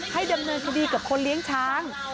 ดำเนินคดีกับคนเลี้ยงช้าง